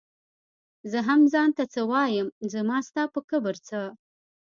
زۀ هم ځان ته څۀ وايم زما ستا پۀ کبر څۀ